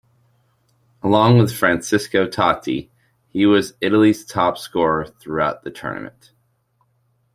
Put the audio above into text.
Along with Francesco Totti, he was Italy's top-scorer throughout the tournament.